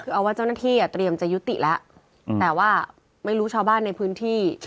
คือเอาว่าเจ้าหน้าที่เตรียมจะยุติแล้วแต่ว่าไม่รู้ชาวบ้านในพื้นที่